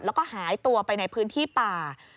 แล้วก็หายตัวไปในพื้นที่ป่า